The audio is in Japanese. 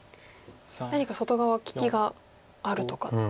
何か外側利きがあるとかでしょうか。